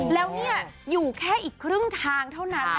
แล้วนี่อยู่แค่อีกครึ่งทางเท่านั้น